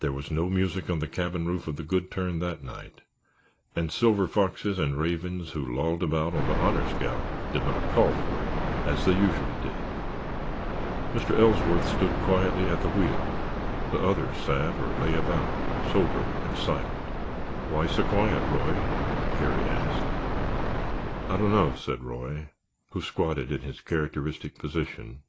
There was no music on the cabin roof of the Good Turn that night and the Silver Foxes and Ravens who lolled about on the Honor Scout did not call for it, as they usually did. Mr. Ellsworth stood quietly at the wheel; the others sat or lay about, sober and silent. "Why so quiet, Roy?" Garry asked. "I don't know," said Roy, who squatted in his characteristic position.